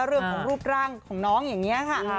เรื่องของรูปร่างของน้องอย่างนี้ค่ะ